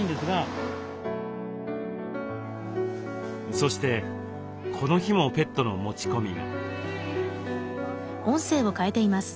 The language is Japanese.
そしてこの日もペットの持ち込みが。